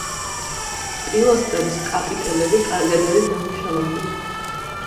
პილასტრების კაპიტელები კარგად არის დამუშავებული.